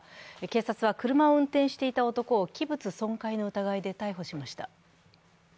警察は、車を運転していた男を器物損壊の疑いで逮捕しました。